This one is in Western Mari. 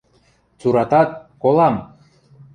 Цуратат, колам!..